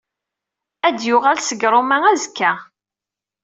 Ad d-yuɣul seg Ṛuma asekka.